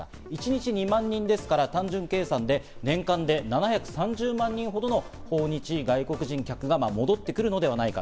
一日２万人ですから単純計算で年間で７３０万人ほどの訪日外国人客が戻ってくるのではないか。